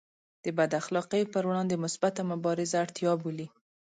د بد اخلاقیو پر وړاندې مثبته مبارزه اړتیا بولي.